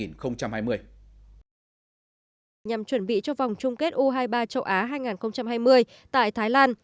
nhằm chuẩn bị cho vòng chung kết u hai mươi ba châu á hai nghìn hai mươi tại thái lan